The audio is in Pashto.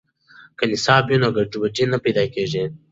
که نصاب وي نو ګډوډي نه پیدا کیږي.